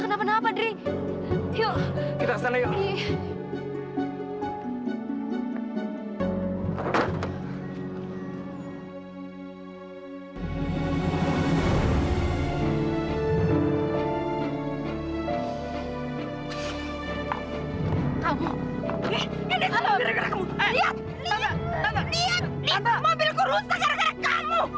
liat mobil gue rusak gara gara kamu